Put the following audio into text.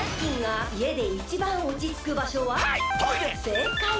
せいかい。